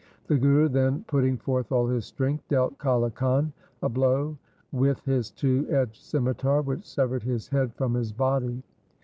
The Guru, then putting forth all his strength, dealt Kale Khan a blow witn his two edged scimitar which severed his head from his body.